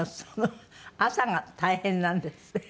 朝が大変なんですって？